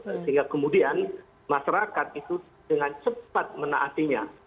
sehingga kemudian masyarakat itu dengan cepat menaatinya